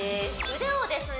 腕をですね